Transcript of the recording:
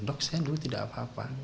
dok saya dulu tidak apa apa